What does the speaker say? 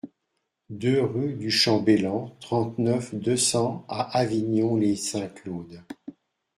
deux rue du Champ Belland, trente-neuf, deux cents à Avignon-lès-Saint-Claude